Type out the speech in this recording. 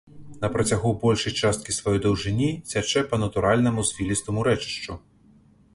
На працягу большай часткі сваёй даўжыні цячэ па натуральнаму звілістаму рэчышчу.